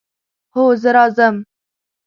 هو، زه راځم